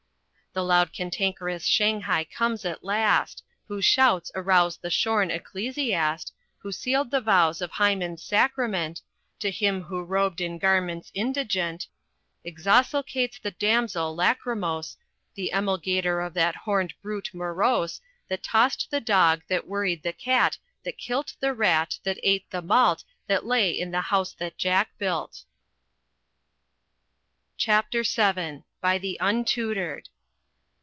The loud cantankerous Shanghai comes at last, Whose shouts arouse the shorn ecclesiast, Who sealed the vows of Hymen's sacrament, To him who robed in garments indigent, Exosculates the damsel lachrymose, The emulgator of that horned brute morose, That tossed the dog, that worried the cat, that kilt The Rat that ate the malt, that lay in the house that Jack built. VII. By the Untutored.